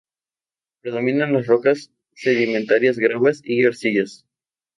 Predominan las rocas sedimentarias, gravas y arcillas.